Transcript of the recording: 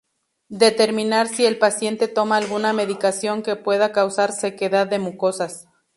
Determinar si el paciente toma alguna medicación que pueda causar sequedad de mucosas.